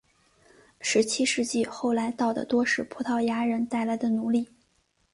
十七世纪后来到的多是葡萄牙人带来的奴隶。